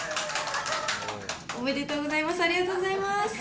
おめでとうございます。